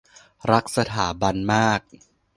- รักสถาบันมาก